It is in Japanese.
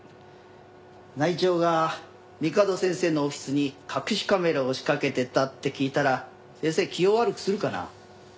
内調が三門先生のオフィスに隠しカメラを仕掛けてたって聞いたら先生気を悪くするかな？